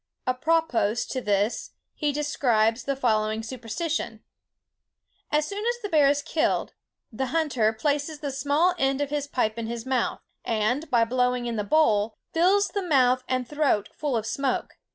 Apropos to this, he describes the following superstition:— "As soon as the bear is killed, the hunter places the small end of his pipe in its mouth, and, by blowing in the bowl, fills the mouth and throat full of smoke.